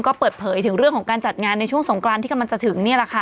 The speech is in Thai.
ก็เปิดเผยถึงเรื่องของการจัดงานในช่วงสงกรานที่กำลังจะถึงนี่แหละค่ะ